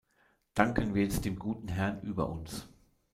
Danken wir jetzt dem guten Herrn über uns.